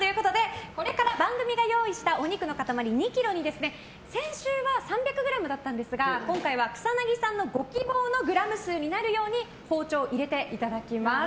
これから番組で用意したお肉の塊２ｋｇに先週は３００ｇだったんですが今回は草なぎさんのご希望のグラム数になるように包丁を入れていただきます。